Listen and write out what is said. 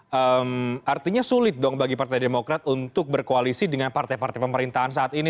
hmm artinya sulit dong bagi partai demokrat untuk berkoalisi dengan partai partai pemerintahan saat ini